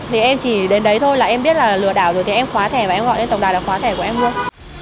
thì em chỉ đến đấy thôi là em biết là lừa đảo rồi thì em khóa thẻ và em gọi lên tổng đài là khóa thẻ của em luôn